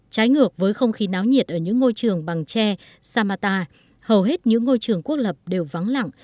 trái ngược với không khí náo nhiệt ở những ngôi trường bằng tre samata hầu hết những ngôi trường quốc lập đều vắng lặng